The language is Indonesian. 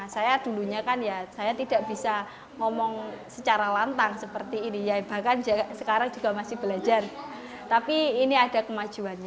saya dulunya kan ya saya tidak bisa ngomong secara lantang seperti ini ya bahkan sekarang juga masih belajar tapi ini ada kemajuannya